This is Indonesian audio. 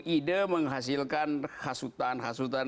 ide menghasilkan hasutan hasutan